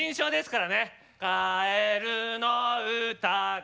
「かえるのうたが」